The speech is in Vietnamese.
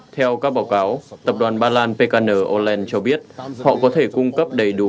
theo các báo cáo tập đoàn ba lan pkn oland cho biết họ có thể cung cấp đầy đủ